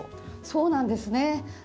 そうなんですね。